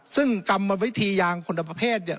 ซึ่งกรรมวิธียางคนละประเภทเนี่ย